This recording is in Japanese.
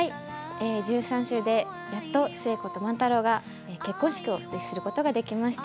１３週でやっと寿恵子と万太郎が結婚式をやることができました。